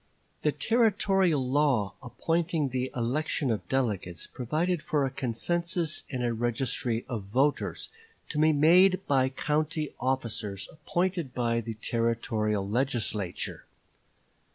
The Territorial law appointing the election of delegates provided for a census and a registry of voters, to be made by county officers appointed by the Territorial Legislature.